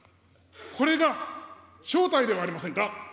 これが正体ではありませんか。